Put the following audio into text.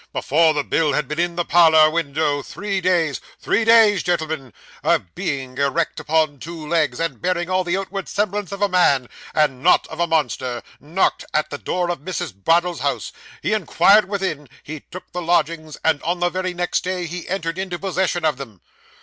Before the bill had been in the parlour window three days three days, gentlemen a being, erect upon two legs, and bearing all the outward semblance of a man, and not of a monster, knocked at the door of Mrs. Bardell's house. He inquired within he took the lodgings; and on the very next day he entered into possession of them.